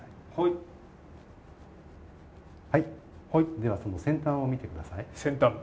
ではその先端を見てください。